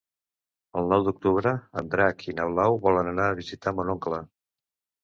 El nou d'octubre en Drac i na Blau volen anar a visitar mon oncle.